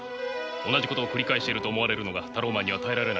同じことを繰り返していると思われるのがタローマンには耐えられないんです。